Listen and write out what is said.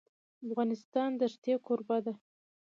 افغانستان د ښتې کوربه دی.